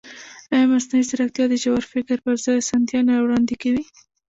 ایا مصنوعي ځیرکتیا د ژور فکر پر ځای اسانتیا نه وړاندې کوي؟